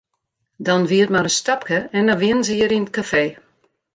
Dan wie it mar in stapke en dan wienen se hjir yn it kafee.